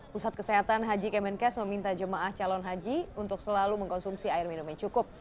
pusat kesehatan haji kemenkes meminta jemaah calon haji untuk selalu mengkonsumsi air minum yang cukup